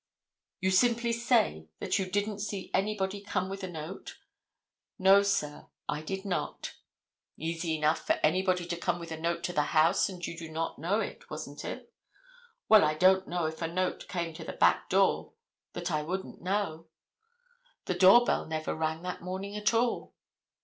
"You simply say that you didn't see anybody come with a note?" "No, sir; I did not." "Easy enough for anybody to come with a note to the house and you not know it, wasn't it?" "Well, I don't know if a note came to the back door that I wouldn't know. The door bell never rang that morning at all."